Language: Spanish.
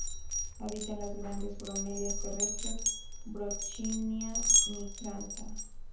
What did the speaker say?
Habita en las grandes bromelias terrestres "Brocchinia micrantha".